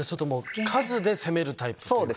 数で攻めるタイプってことか。